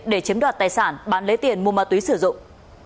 để chiếm đoạt tài sản bán lấy tiền mua ma túy sử dụng